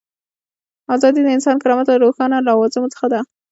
ازادي د انساني کرامت له روښانه لوازمو څخه ده.